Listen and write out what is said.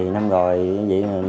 thì năm nay thì cũng vắng trở hơn